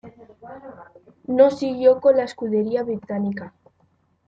No siguió con la escudería británica.